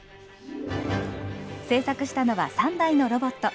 製作したのは３台のロボット。